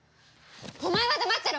お前は黙ってろ！